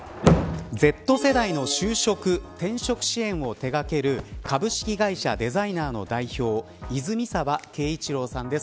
Ｚ世代の就職・転職支援を手がける株式会社デザイナーの代表泉澤恵一朗さんです。